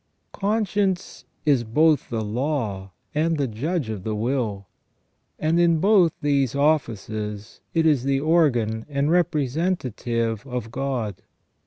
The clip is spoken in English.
f Conscience is both the law and the judge of the will, and in both these offices it is the organ and representative of God.